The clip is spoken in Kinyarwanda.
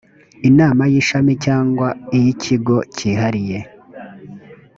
inama y ishami cyangwa iy ikigo cyihariye